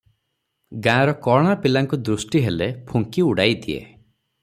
ଗାଁର କଅଁଳା ପିଲାଙ୍କୁ ଦୃଷ୍ଟିହେଲେ ଫୁଙ୍କି ଉଡ଼ାଇଦିଏ ।